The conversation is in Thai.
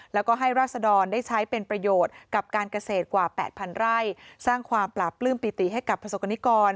แล้วก็ให้ราศดรได้ใช้เป็นประโยชน์กับการเกษตรกว่า๘๐๐ไร่สร้างความปราบปลื้มปิติให้กับประสบกรณิกร